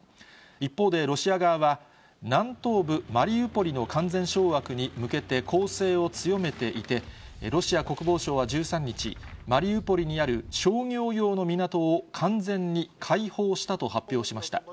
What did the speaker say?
一方で、ロシア側は南東部マリウポリの完全掌握に向けて攻勢を強めていて、ロシア国防省は１３日、マリウポリにある商業用の港を完全に解放したと発表しました。